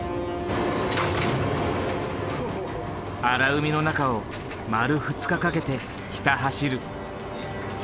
荒海の中を丸２日かけてひた走る。